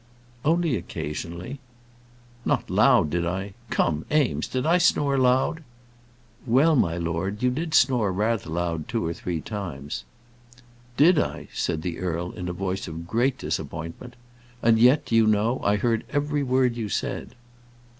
"Only occasionally." "Not loud, did I? Come, Eames, did I snore loud?" "Well, my lord, you did snore rather loud two or three times." "Did I?" said the earl, in a voice of great disappointment. "And yet, do you know, I heard every word you said."